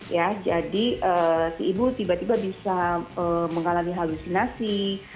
ya jadi si ibu tiba tiba bisa mengalami halusinasi